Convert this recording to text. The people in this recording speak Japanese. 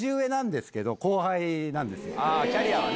キャリアはね。